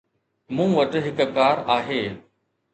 مون وٽ هڪ ڪار آهي.